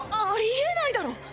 ありえないだろ